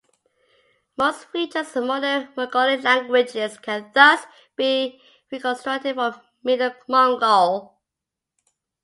Most features of modern Mongolic languages can thus be reconstructed from Middle Mongol.